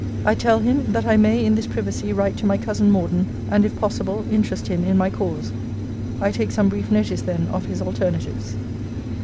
I tell him, 'That I may, in this privacy, write to my cousin Morden, and, if possible, interest him in my cause. 'I take some brief notice then of his alternatives.'